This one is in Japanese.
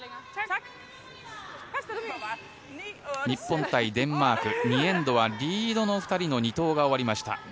日本対デンマーク２エンドはリードの２人の２投が終わりました。